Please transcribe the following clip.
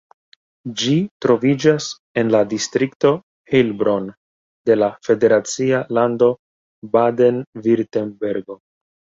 Ĝi troviĝas en la distrikto Heilbronn de la federacia lando Baden-Virtembergo.